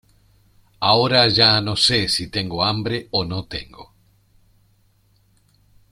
Ahora ya no sé si tengo hambre o no tengo.